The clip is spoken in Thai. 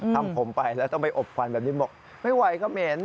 ทำผมไปแล้วต้องไปอบควันแบบนี้บอกไม่ไหวก็เหม็น